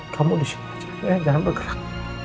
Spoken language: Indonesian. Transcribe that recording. kamu disini jangan bergerak